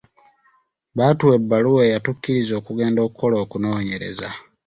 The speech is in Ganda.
Baatuwa ebbaluwa eyatukkiriza okugenda okukola okunoonyereza.